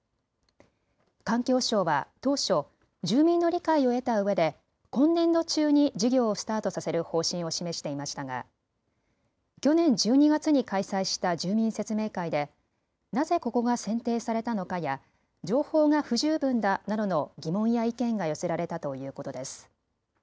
環境省は当初、住民の理解を得たうえで今年度中に事業をスタートさせる方針を示していましたが去年１２月に開催した住民説明会でなぜここが選定されたのかや情報が不十分だなどの疑問や意見が寄せられたということです。